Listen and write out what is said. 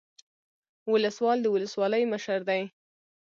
ولسوال د ولسوالۍ مشر دی